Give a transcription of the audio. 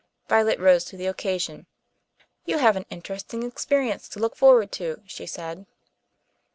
Violet rose to the occasion. "You have an interesting experience to look forward to," she said.